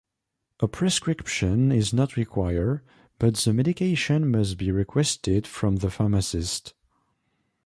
A prescription is not required, but the medication must be requested from the pharmacist.